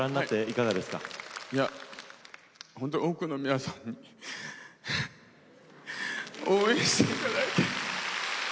いや本当に多くの皆さんに応援していただいて。